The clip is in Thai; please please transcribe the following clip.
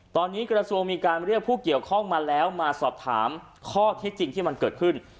ตอนนี้กระทรวงมีการเรียกผู้เกี่ยวข้องมาแล้วมาสอบถามข้อที่จริงที่มันเกิดขึ้น